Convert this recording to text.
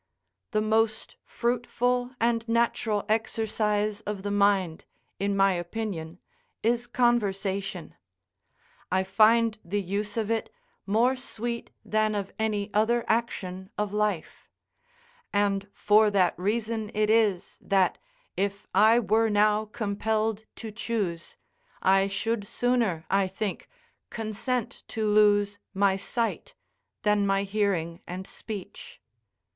The most fruitful and natural exercise of the mind, in my opinion, is conversation; I find the use of it more sweet than of any other action of life; and for that reason it is that, if I were now compelled to choose, I should sooner, I think, consent to lose my sight, than my hearing and speech.